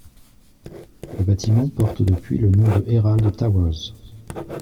Le bâtiment porte depuis le nom de Herald Towers.